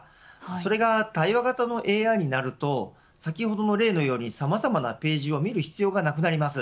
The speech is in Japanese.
それが対話型のＡＩになると先ほどの例のように、さまざまなページを見る必要がなくなります。